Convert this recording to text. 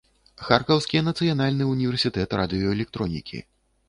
Харкаўскі нацыянальны ўніверсітэт радыёэлектронікі.